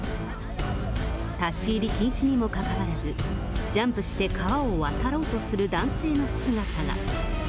立ち入り禁止にもかかわらず、ジャンプして川を渡ろうとする男性の姿が。